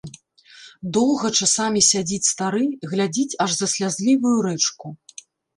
Доўга часамі сядзіць стары, глядзіць аж за слязлівую рэчку.